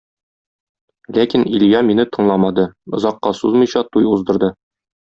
Ләкин Илья мине тыңламады, озакка сузмыйча, туй уздырды.